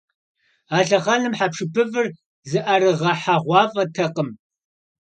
А лъэхъэнэм хьэпшыпыфӏыр зыӏэрыгъэхьэгъуафӏэтэкъым.